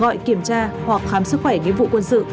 gọi kiểm tra hoặc khám sức khỏe nghĩa vụ quân sự